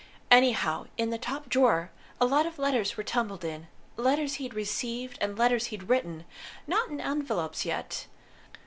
Anyhow, in the top drawer a lot of letters were tumbled in letters he'd received, and letters he'd written not in envelopes yet.